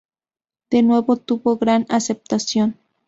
De nuevo tuvo gran aceptación.